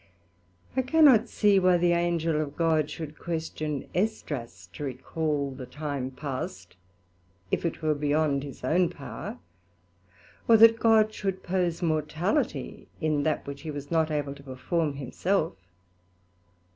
I cannot see why the Angel of God should question Esdras to recal the time past, if it were beyond his own power; or that God should pose mortality in that, which he was not able to perform himself.